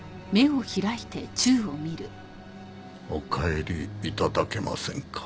お帰り頂けませんか。